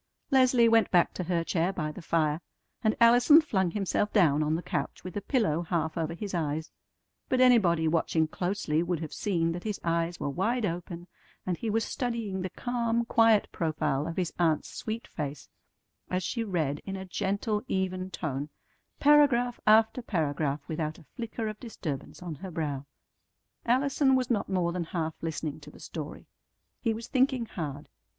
Leslie went back to her chair by the fire, and Allison flung himself down on the couch with a pillow half over his eyes; but anybody watching closely would have seen that his eyes were wide open and he was studying the calm, quiet profile of his aunt's sweet face as she read in a gentle, even tone, paragraph after paragraph without a flicker of disturbance on her brow. Allison was not more than half listening to the story. He was thinking hard.